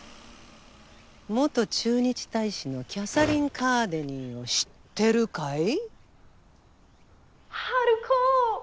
元駐日大使のキャサリン・カーネディーを知ってるかい？